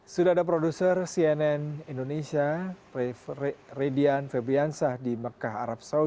jemaah haji yang diberikan penerbangan di makkah dan madinah